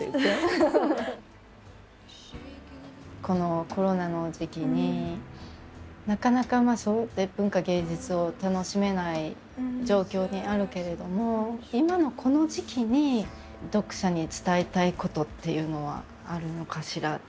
このコロナの時期になかなかそろって文化芸術を楽しめない状況にあるけれども今のこの時期に読者に伝えたいことっていうのはあるのかしら？